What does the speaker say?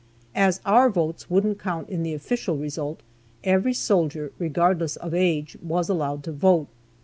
As our votes wouldn't count in the official result, every soldier, regardless of age, was allowed to vote.